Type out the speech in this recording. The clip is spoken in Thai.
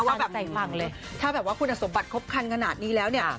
ว่าแบบฟังเลยถ้าแบบว่าคุณสมบัติครบคันขนาดนี้แล้วเนี่ย